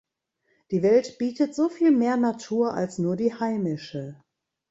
Die Welt bietet so viel mehr Natur als nur die heimische.